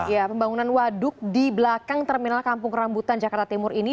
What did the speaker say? ya pembangunan waduk di belakang terminal kampung rambutan jakarta timur ini